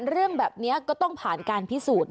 เรื่องแบบนี้ก็ต้องผ่านการพิสูจน์